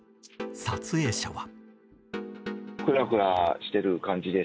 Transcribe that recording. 撮影者は。